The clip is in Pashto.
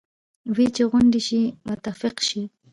وې چې غونډ شئ متفق شئ.